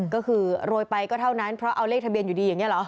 ก็คือโรยไปก็เท่านั้นเพราะเอาเลขทะเบียนอยู่ดีอย่างนี้เหรอ